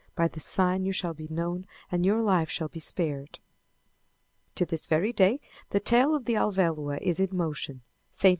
By this sign you shall be known and your life shall be spared." To this very day the tail of the Alvéloa is in motion. St.